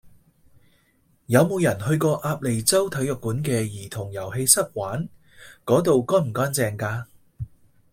有無人去過鴨脷洲體育館嘅兒童遊戲室玩？嗰度乾唔乾淨㗎？